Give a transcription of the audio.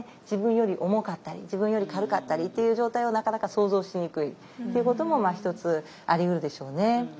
自分より重かったり自分より軽かったりっていう状態をなかなか想像しにくいということも一つありうるでしょうね。